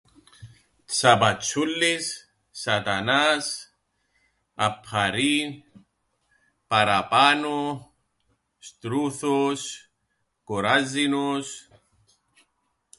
Τσαπατσούλλης, σατανάς, αππαρίν, παραπάνω, στρούθος, κοράζινος.